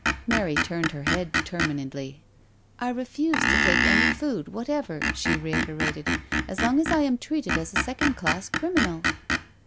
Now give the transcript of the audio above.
*' Mary turned her head determinedly: " I refuse to take any food whatever," she reiterated, " as long as I am treated as a second class criminal.'